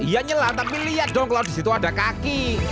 iya nyelam tapi lihat dong kalau disitu ada kaki